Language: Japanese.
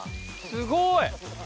すごい！